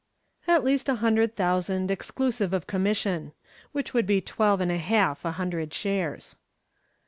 "At least a hundred thousand, exclusive of commission, which would be twelve and a half a hundred shares."